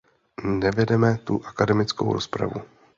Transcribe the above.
Nevedeme tu akademickou rozpravu.